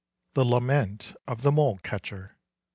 THE LAMENT OF THE MOLE CATCHER.